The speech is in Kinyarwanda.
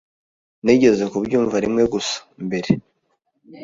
Nigeze kubyumva rimwe gusa mbere.